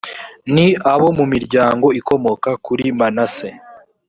ni abo mu miryango ikomoka kuri manase